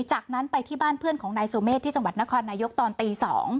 จากนั้นไปที่บ้านเพื่อนของนายสุเมฆที่จังหวัดนครนายกตอนตี๒